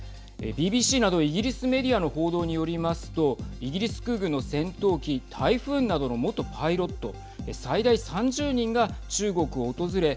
ＢＢＣなどイギリスメディアの報道によりますとイギリス空軍の戦闘機タイフーンなどの元パイロット最大３０人が中国を訪れ